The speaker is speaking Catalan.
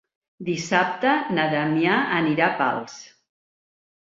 Dissabte na Damià anirà a Pals.